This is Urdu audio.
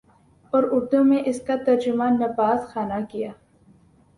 اور اردو میں اس کا ترجمہ نبات خانہ کیا